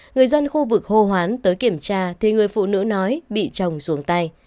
người dân khu vực hồ hoán tới kiểm tra thì người phụ nữ nói bị trồng xuống tay